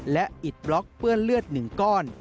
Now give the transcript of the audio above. และอิดบล็อกเปื้อนเลือด๑ก้อน